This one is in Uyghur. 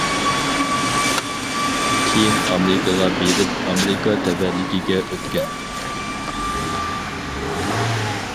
كېيىن ئامېرىكىغا بېرىپ ئامېرىكا تەۋەلىكىگە ئۆتكەن.